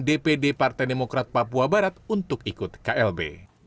dpd partai demokrat papua barat untuk ikut klb